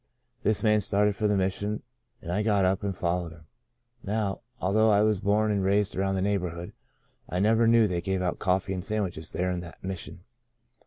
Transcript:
This man started for the Mission and I got up and fol lowed him. Now, although I was born and raised around the neighbourhood, I never knew they gave out coffee and sandwiches there in that Mission.